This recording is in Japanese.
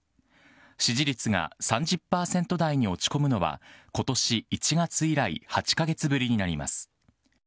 支持率が３０％台に落ち込むのは、ことし１月以来、８か月ぶりになります。